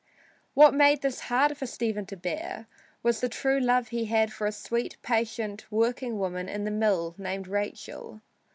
What made this harder for Stephen to bear was the true love he had for a sweet, patient, working woman in the mill named Rachel.